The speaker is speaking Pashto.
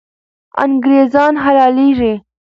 انګریزان حلالېږي.